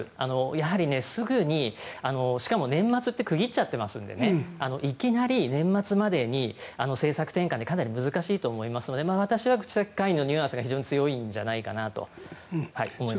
やはりすぐに、しかも年末って区切っちゃってますのでいきなり年末までに政策転換ってかなり難しいと思いますので私は口先介入のニュアンスが非常に強いんじゃないかなと思います。